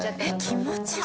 気持ち悪い。